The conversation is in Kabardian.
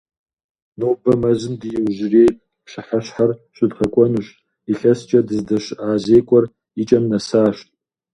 Нобэ мэзым ди иужьрей пщыхьэщхьэр щыдгъэкӏуэнущ, илъэскӀэ дыздэщыӀа зекӀуэр и кӏэм нэсащ.